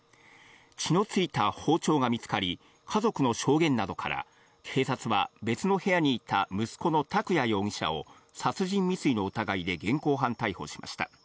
血の付いた包丁が見つかり、家族の証言などから、警察は別の部屋にいた息子の拓弥容疑者を殺人未遂の疑いで現行犯逮捕しました。